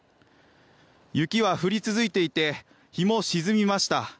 雪は降り続いていて日も沈みました。